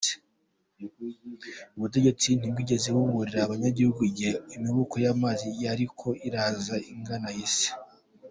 Ubutegetsi ntibwigeze buburira abanyagihugu, igihe imikuba y'amazi yariko iraza igana isi.